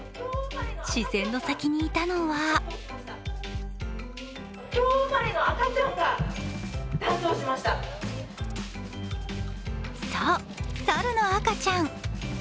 視線の先にいたのはそう、猿の赤ちゃん。